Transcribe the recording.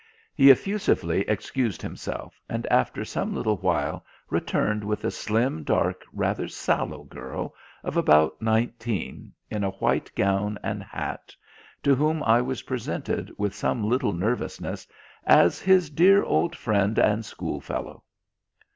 He effusively excused himself, and after some little while returned with a slim, dark, rather sallow girl of about nineteen, in a white gown and hat, to whom I was presented with some little nervousness as "his dear old friend and schoolfellow."